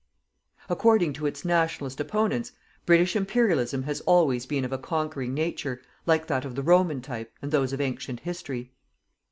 According to its "Nationalist" opponents, British Imperialism has always been of a conquering nature, like that of the Roman type and those of ancient history.